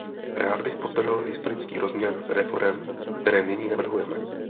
Rád bych podtrhl historický rozměr reforem, které nyní navrhujeme.